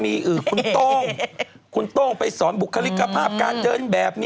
มีคุณคนที่ไปสอนร้องเพลง